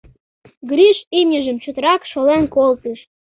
Гриш имньыжым чотрак шолен колтыш.